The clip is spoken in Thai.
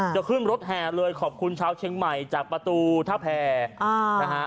จะขึ้นรถแห่เลยขอบคุณชาวเชียงใหม่จากประตูท่าแผ่นะฮะ